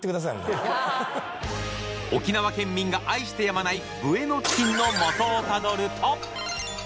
沖縄県民が愛してやまないブエノチキンのモトをタドルと。